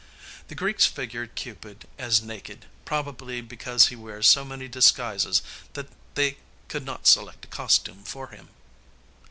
The Greeks figured Cupid as naked, probably because he wears so many disguises that they could not select a costume for him.